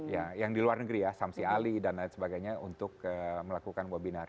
ya yang di luar negeri ya samsi ali dan lain sebagainya untuk melakukan webinar